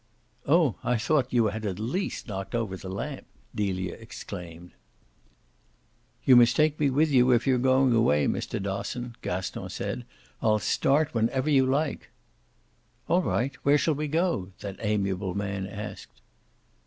"Oh I thought you had at least knocked over the lamp!" Delia exclaimed. "You must take me with you if you're going away, Mr. Dosson," Gaston said. "I'll start whenever you like." "All right where shall we go?" that amiable man asked.